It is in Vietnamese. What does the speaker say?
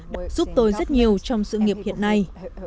đã giúp tôi rất nhiều trong sự nghiệp hiện nay